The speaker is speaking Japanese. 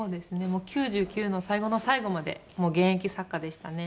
もう９９の最後の最後までもう現役作家でしたね。